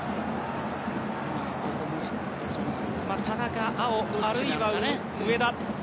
田中碧、あるいは上田。